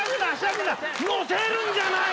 乗せるんじゃない！